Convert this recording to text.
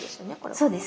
そうです。